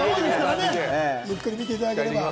ゆっくり見ていただければ。